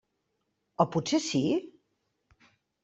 O potser sí?